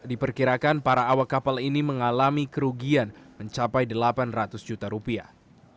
diperkirakan para awak kapal ini mengalami kerugian mencapai delapan ratus juta rupiah